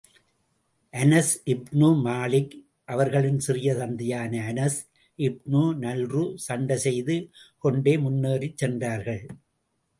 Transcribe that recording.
Anas ibn Malik அவர்களின் சிறிய தந்தையான அனஸ் இப்னு நல்ரு சண்டை செய்து கொணடே முன்னேறிச் சென்றார்கள்.